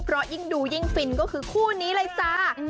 เพราะยิ่งดูยิ่งฟินก็คือคู่นี้เลยจ้า